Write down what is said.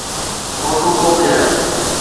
photo موڪليا